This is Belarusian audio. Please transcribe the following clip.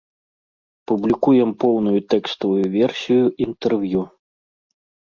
Публікуем поўную тэкставую версію інтэрв'ю.